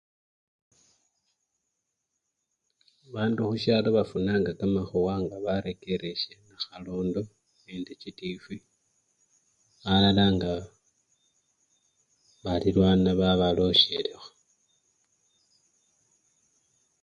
Bandu khusyalo bafunanga kamakhuwa nga barekeresye nakhalondo nende chitivi alala nga balilwana babalosyelekho.